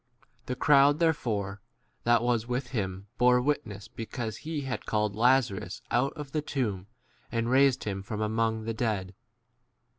The crowd there fore that was with him bore witness because" he had called Lazarus out of the tomb, and raised him 18 from among [the] dead.